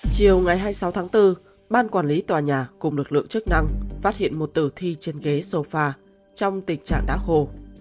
chiều ngày hai mươi sáu tháng bốn ban quản lý tòa nhà cùng lực lượng chức năng phát hiện một tử thi trên ghế sofa trong tình trạng đã khô